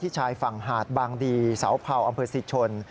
ที่ชายฝั่งหาดบางดีสาวเผาอำเภษศิษยนต์